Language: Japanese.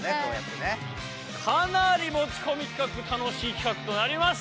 かなり持ちこみ企画楽しい企画となりました！